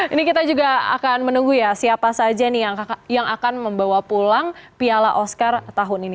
ini kita juga akan menunggu ya siapa saja nih yang akan membawa pulang piala oscar tahun ini